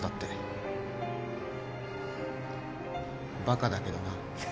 バカだけどな。